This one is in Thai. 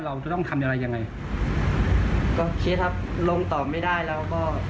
ว่าผมโดนดัดเชื่อมผมโดนต่อไม่ได้แล้ว